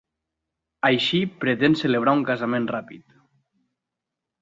Així pretén celebrar un casament ràpid.